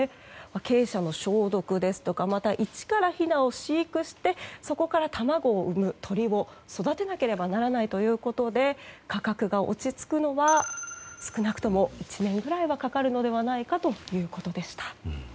鶏舎の消毒ですとかまた、一からひなを飼育してそこから卵を産む鳥を育てなければならないということで価格が落ち着くのは少なくとも１年ぐらいはかかるのではないかということでした。